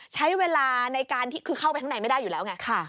ใช้เวลาในการที่คือเข้าไปข้างในไม่ได้อยู่แล้วไง